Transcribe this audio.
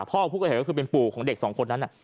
พ่อผู้ก่อเหตุก็คือเป็นปู่ของเด็กสองคนนั้น